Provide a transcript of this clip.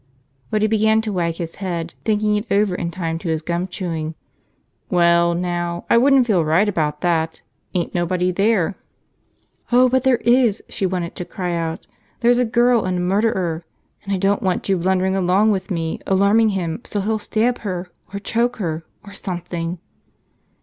But he began to wag his head, thinking it over in time to his gum chewing. "Well, now, I wouldn't feel right about that. Ain't nobody there." Oh, but there is, she wanted to cry out, there's a girl and a murderer. And I don't want you blundering along with me, alarming him so he'll stab her, or choke her, or something!